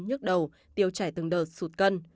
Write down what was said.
nhức đầu tiêu chảy từng đợt sụt cân